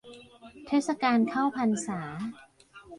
เทศกาลเข้าพรรษา